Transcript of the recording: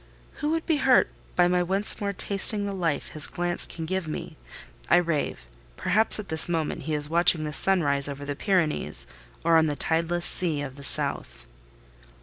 Who would be hurt by my once more tasting the life his glance can give me? I rave: perhaps at this moment he is watching the sun rise over the Pyrenees, or on the tideless sea of the south."